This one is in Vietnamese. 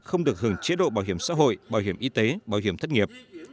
không được hưởng chế độ bảo hiểm xã hội bảo hiểm y tế bảo hiểm thất nghiệp